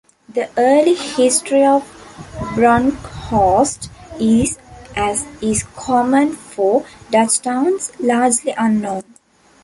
The early history of Bronkhorst is, as is common for Dutch towns, largely unknown.